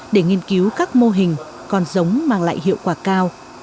để nghiên cứu các mô hình con giống mang lại hiệu quả cao